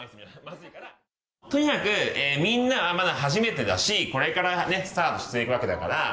とにかくみんなはまだ初めてだしこれからねスタートしていくわけだから。